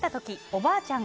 おばあちゃん。